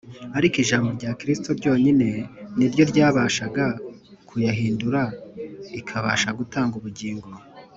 ariko ijambo rya Kristo ryonyine ni ryo ryabashaga kuyahindura ikibasha gutanga ubugingo